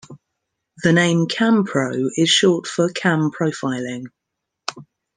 The name "CamPro" is short for "Cam Profiling".